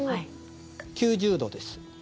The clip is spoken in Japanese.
９０度です。